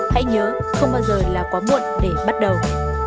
hãy nhớ không bao giờ là quá muộn để bắt đầu